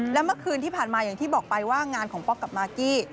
และเมื่อคืนที่ผ่านมาอย่างที่บอกไปว่างานของป๊อกกับมากกี้